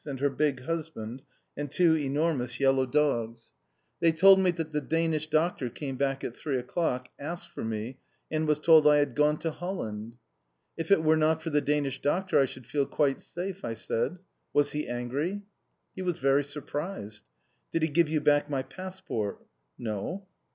and her big husband, and two enormous yellow dogs. They told me that the Danish Doctor came back at three o'clock, asked for me, and was told I had gone to Holland. "If it were not for the Danish Doctor I should feel quite safe," I said. "Was he angry?" "He was very surprised." "Did he give you back my passport?" "No."